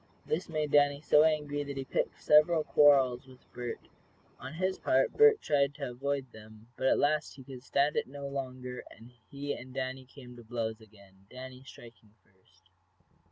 This made Danny so angry that he picked several quarrels with Bert. On his part Bert tried to avoid them, but at last he could stand it no longer, and he and Danny came to blows again, Danny striking first.